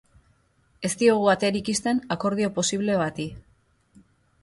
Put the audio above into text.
Ez diogu aterik ixten akordio posible bati.